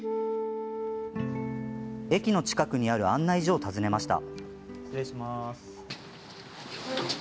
駅の近くにある案内所を訪ねました。